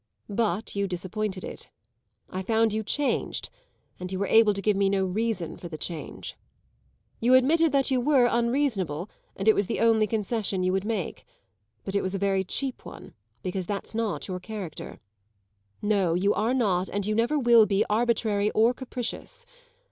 But you disappointed it; I found you changed, and you were able to give me no reason for the change. You admitted that you were unreasonable, and it was the only concession you would make; but it was a very cheap one, because that's not your character. No, you are not, and you never will be, arbitrary or capricious.